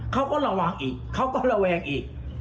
เขาก็ระวังอีกเขาก็ระแวงอีก